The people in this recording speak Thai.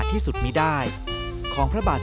เมื่อเวลาเมื่อเวลา